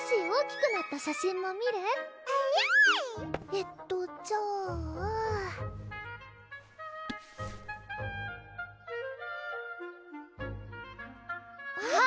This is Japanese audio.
えっとじゃああっ